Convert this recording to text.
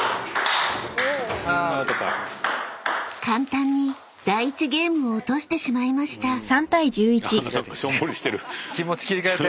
［簡単に第１ゲームを落としてしまいました］